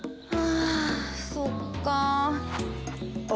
あそっかあ。